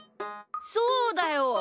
そうだよ！